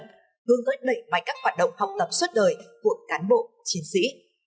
hướng tới đẩy mạnh các hoạt động học tập suốt đời của cán bộ chiến sĩ